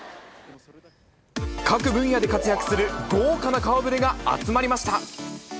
各分野で活躍する豪華な顔ぶれが集まりました。